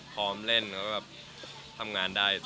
พร้อมเล่นแล้วก็แบบทำงานได้